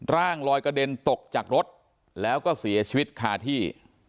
ร่างลอยกระเด็นตกจากรถแล้วก็เสียชีวิตคาที่